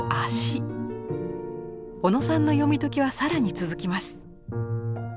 小野さんの読み解きは更に続きます。